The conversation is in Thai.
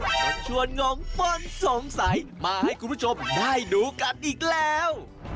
ชวนงงป้นสงสัยมาให้คุณผู้ชมได้ดูกันอีกแล้ว